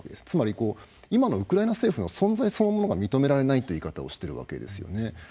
つまり今のウクライナ政府の存在自体が認められないという言い方をしているわけですよね。